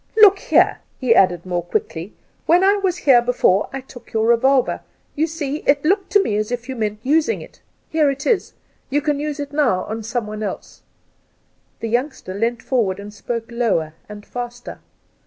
Look here,' he added more quickly, ' when I was here before I took your revolver. You see, it looked to me as if you meant using it. Here it is. You can use it now on someone else.' The youngster leant forward and spoke lower and faster.